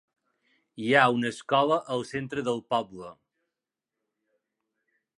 Hi ha una escola al centre del poble.